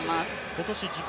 今年自己